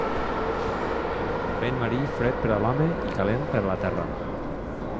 Vent marí, fred per a l'home i calent per a la terra.